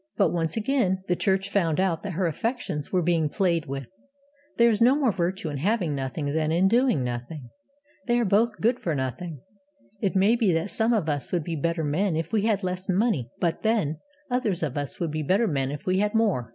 But once again the Church found out that her affections were being played with. There is no more virtue in Having Nothing than in Doing Nothing. They are both good for nothing. It may be that some of us would be better men if we had less money; but then, others of us would be better men if we had more.